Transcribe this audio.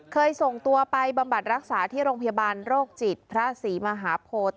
ส่งตัวไปบำบัดรักษาที่โรงพยาบาลโรคจิตพระศรีมหาโพธิ